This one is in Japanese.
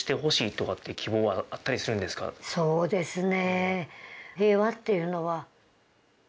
そうですね。